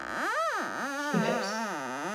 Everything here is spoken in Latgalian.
Škleps.